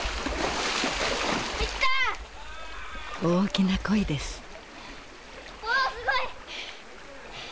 大きなコイです！